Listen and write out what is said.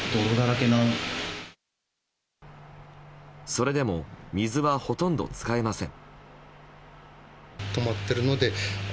それでも水はほとんど使えません。